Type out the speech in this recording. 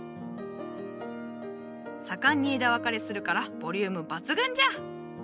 盛んに枝分かれするからボリューム抜群じゃ。